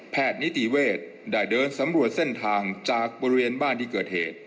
นิติเวศได้เดินสำรวจเส้นทางจากบริเวณบ้านที่เกิดเหตุ